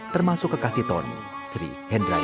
termasuk kekasih tony sri hendrali